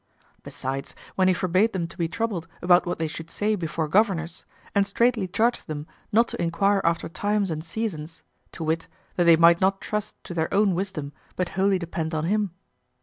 Besides, when he forbade them to be troubled about what they should say before governors and straightly charged them not to inquire after times and seasons, to wit, that they might not trust to their own wisdom but wholly depend on him.